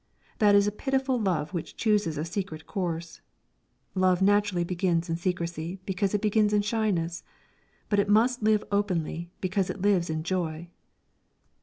That is a pitiful love which chooses a secret course. Love naturally begins in secresy because it begins in shyness; but it must live openly because it lives in joy.